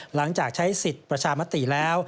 หลังจากใช้สิทธิ์ประชามติแล้ว